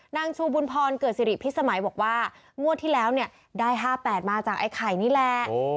นางชูบุญพรเกิดสิริพิสมัยบอกว่างวดที่แล้วเนี่ยได้๕๘มาจากไอ้ไข่นี่แหละ